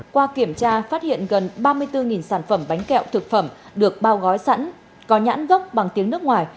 qua kiểm tra phát hiện gần ba mươi bốn sản phẩm bánh kẹo thực phẩm được bao gói sẵn có nhãn gốc bằng tiếng nước ngoài